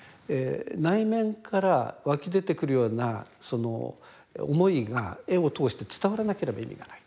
内面から湧き出てくるようなその思いが絵を通して伝わらなければ意味がない。